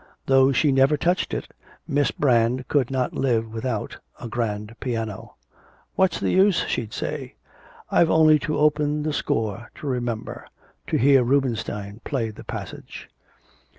Though she never touched it, Miss Brand could not live without, a grand piano. 'What's the use?' she'd say. 'I've only to open the score to remember to hear Rubenstein play the passage.'